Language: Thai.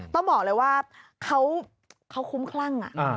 ต้องบอกเลยว่าเขาคุ้มคลั่ง